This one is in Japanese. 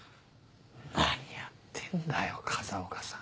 何やってんだよ風岡さん。